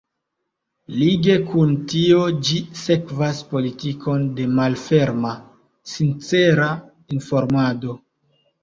Lige kun tio ĝi sekvas politikon de malferma, „sincera“ informado.